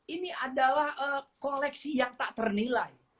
ini adalah koleksi yang tak ternilai